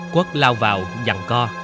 quất lao vào dặn co